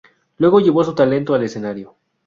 Luego llevó su talento al escenario.